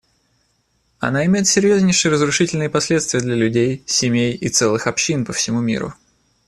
Она имеет серьезнейшие разрушительные последствия для людей, семей и целых общин по всему миру.